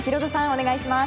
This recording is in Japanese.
お願いします。